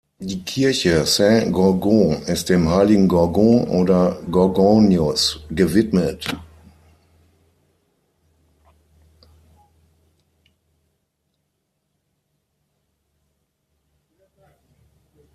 Die Kirche Saint Gorgon ist dem heiligen Gorgon oder Gorgonius gewidmet.